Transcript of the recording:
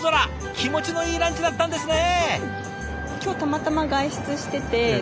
気持ちのいいランチだったんですね。